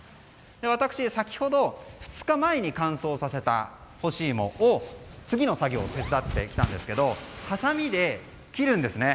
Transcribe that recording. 私、先ほど２日前に乾燥させた干し芋を次の作業を手伝ってきたんですけどはさみで切るんですね。